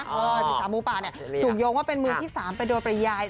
ศึกษาหมูป่าเนี่ยถูกโยงว่าเป็นมือที่๓ไปโดยปริยาย